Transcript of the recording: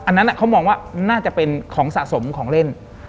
อันนั้นเขามองว่าน่าจะเป็นของสะสมของเล่น